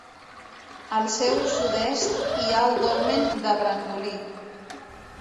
Al seu sud-est hi ha el Dolmen de Brangolí.